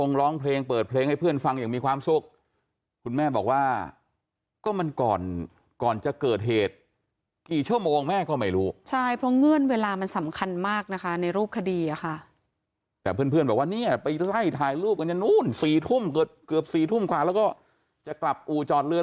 ก็จะนู่น๔ทุ่มเกือบ๔ทุ่มขวาแล้วก็จะกลับอู่จอดเรือ